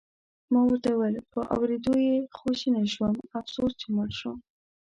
ما ورته وویل: په اورېدو یې خواشینی شوم، افسوس چې مړ شو.